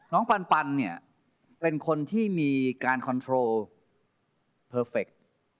ปันเนี่ยเป็นคนที่มีการคอนโทรเพอร์เฟค